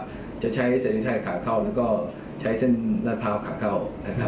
เป็นการใช้เสมอไทยขาเข้าหรือว่าใช้เส้นราดพร้าวขาเข้า